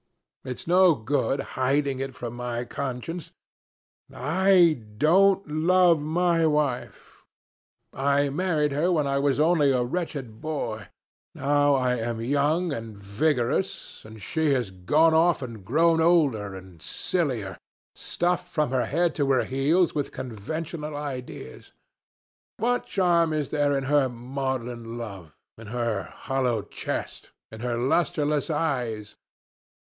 It's no good hiding it from my conscience: I don't love my wife. I married her when I was only a wretched boy; now I am young and vigorous, and she has gone off and grown older and sillier, stuffed from her head to her heels with conventional ideas. What charm is there in her maudlin love, in her hollow chest, in her lusterless eyes?